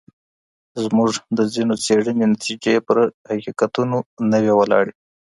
زموږ د ځینو څېړنو نتیجې پر حقیقتونو نه وي وولاړي.